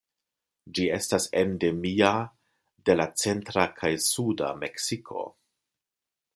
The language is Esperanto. Ĝi estas endemia de la centra kaj suda Meksiko.